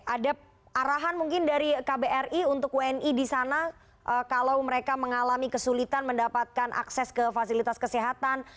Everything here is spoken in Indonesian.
ada arahan mungkin dari kbri untuk wni di sana kalau mereka mengalami kesulitan mendapatkan akses ke fasilitas kesehatan